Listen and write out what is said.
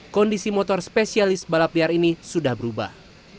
kondisi motor spesialis balap liar ini sudah berubah